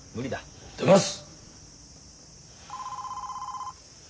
出ます！